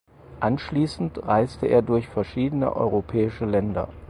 Anschließend reiste er durch verschiedene europäische Länder.